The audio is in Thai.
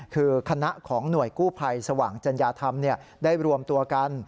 คือคณะของหน่วยกู้ภัยสว่างจัญญาธรรมได้รวมตัวกัน